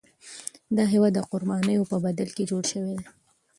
دا هیواد د قربانیو په بدل کي جوړ شوی دی.